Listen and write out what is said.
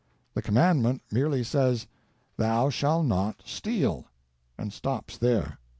The Commandment merely says, "Thou shalt not steal" and stops there.